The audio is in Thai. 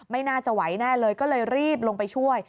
ไม่น่าจะไหวแน่เลยก็เลยรีบลงไปช่วย